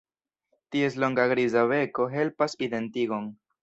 Ties longa griza beko helpas identigon.